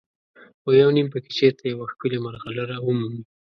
خو یو نیم پکې چېرته یوه ښکلې مرغلره ومومي.